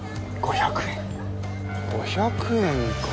５００円か。